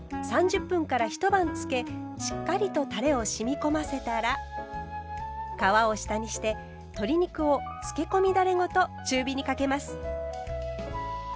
しっかりとたれを染み込ませたら皮を下にして鶏肉をつけ込みだれごと中火にかけます。